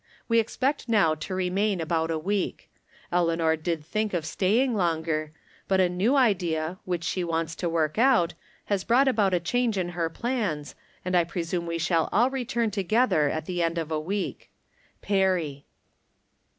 We expect now to remain about a week. Eleanor did think of staying longer, but a new idea, which she wants to work out, has brought about a change in her plans, and I presume we shall all return together at the end of a week. Pebey.